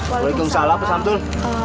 waalaikumsalam pak samsul